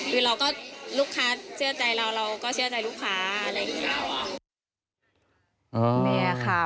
คือเราก็ลูกค้าเชื่อใจเราเราก็เชื่อใจลูกค้า